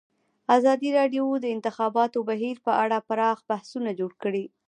ازادي راډیو د د انتخاباتو بهیر په اړه پراخ بحثونه جوړ کړي.